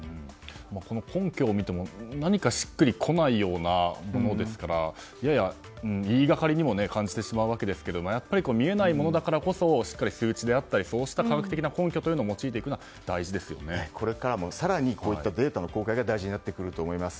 この根拠を見ても何か、しっくりこないようなものですからやや言いがかりにも感じてしまうわけですがやっぱり見えないものだからこそしっかり数字であったりそうした科学的根拠をこれからも更にこういったデータの公開が大事になってくると思います。